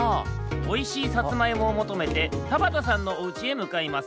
おいしいさつまいもをもとめて田畑さんのおうちへむかいます